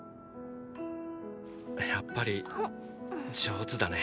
やっぱり上手だね。